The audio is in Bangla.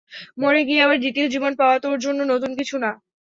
মরে গিয়ে আবার দ্বিতীয় জীবন পাওয়া তোর জন্য নতুন কিছু না।